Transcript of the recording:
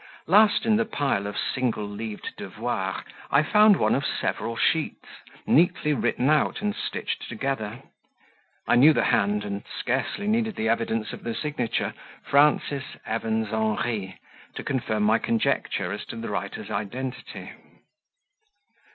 Last in the pile of single leaved devoirs, I found one of several sheets, neatly written out and stitched together; I knew the hand, and scarcely needed the evidence of the signature "Frances Evans Henri" to confirm my conjecture as to the writer's identity.